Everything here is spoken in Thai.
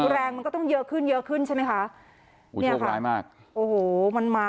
แรงมันก็ต้องเยอะขึ้นเยอะขึ้นใช่ไหมคะเนี่ยค่ะร้ายมากโอ้โหมันมา